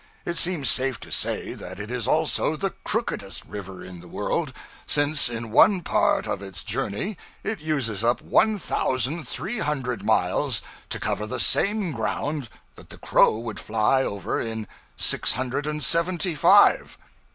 It seems safe to say that it is also the crookedest river in the world, since in one part of its journey it uses up one thousand three hundred miles to cover the same ground that the crow would fly over in six hundred and seventy five.